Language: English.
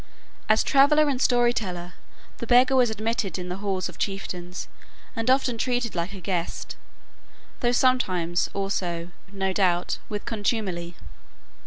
As traveller and storyteller, the beggar was admitted in the halls of chieftains, and often treated like a guest; though sometimes, also, no doubt, with contumely.